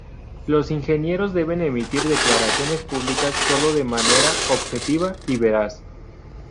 Los ingenieros deben emitir declaraciones públicas sólo de manera objetiva y veraz.